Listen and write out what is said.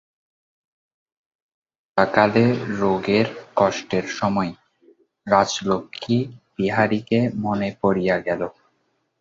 একদিন সন্ধ্যাকালে রোগের কষ্টের সময় রাজলক্ষ্মীর বিহারীকে মনে পড়িয়া গেল।